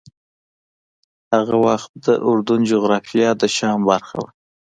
هغه وخت د اردن جغرافیه د شام برخه وه.